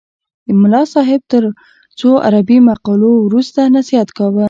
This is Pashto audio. ملا صاحب تر څو عربي مقولو وروسته نصیحت کاوه.